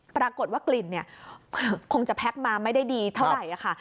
ปรากฏว่ากลิ่นเนี่ยคงจะแพ็คมาไม่ได้ดีเท่าไหร่ค่ะ